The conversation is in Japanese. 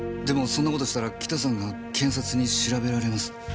でもそんな事したらキタさんが検察に調べられます。